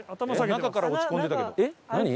中から落ち込んでたけど。